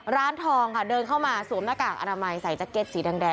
ร้านทองค่ะเดินเข้ามาสวมหน้ากากอนามัยใส่แจ็คเก็ตสีแดง